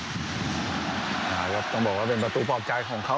เรียบร้อยครับอ่าก็ต้องบอกว่าเป็นประตูปอบใจของเขา